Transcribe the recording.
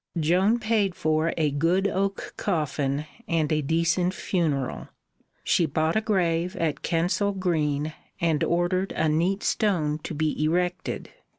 Joan paid for a good oak coffin and a decent funeral. She bought a grave at Kensal Green and ordered a neat stone to be erected.